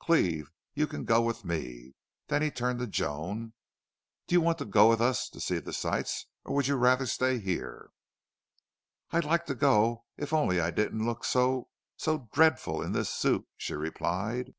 Cleve, you can go with me." Then he turned to Joan. "Do you want to go with us to see the sights or would you rather stay here?" "I'd like to go, if only I didn't look so so dreadful in this suit," she replied.